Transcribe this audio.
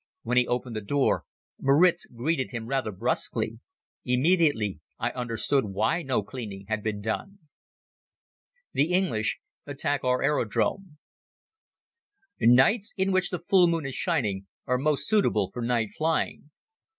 When he opened the door Moritz greeted him rather brusquely. Immediately I understood why no cleaning had been done. The English Attack Our Aerodrome NIGHTS in which the full moon is shining are most suitable for night flying.